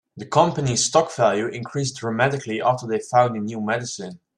The company's stock value increased dramatically after they found a new medicine.